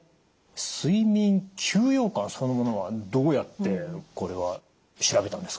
睡眠休養感そのものはどうやってこれは調べたんですか？